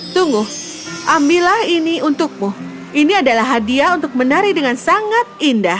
tunggu ambillah ini untukmu ini adalah hadiah untuk menari dengan sangat indah